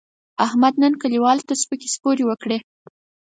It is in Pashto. احمد نن کلیوالو ته سپکې سپورې وکړې.